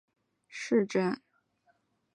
曼波雷是巴西巴拉那州的一个市镇。